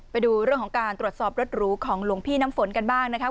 ไปดูเรื่องของการตรวจสอบรถหรูของหลวงพี่น้ำฝนกันบ้างนะครับ